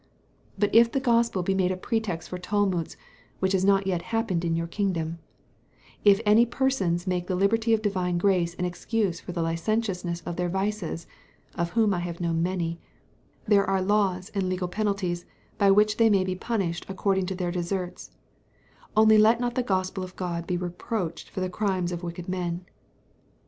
But if the Gospel be made a pretext for tumults, which has not yet happened in your kingdom; if any persons make the liberty of divine grace an excuse for the licentiousness of their vices, of whom I have known many, there are laws and legal penalties, by which they may be punished according to their deserts; only let not the Gospel of God be reproached for the crimes of wicked men.